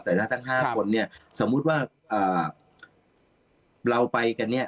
แต่ถ้าทั้ง๕คนเนี่ยสมมุติว่าเราไปกันเนี่ย